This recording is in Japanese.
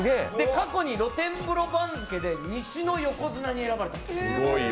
過去に露天風呂番付で西の横綱に選ばれたんです。